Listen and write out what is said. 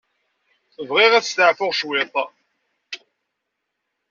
Bɣiɣ ad steɛfuɣ cwiṭ.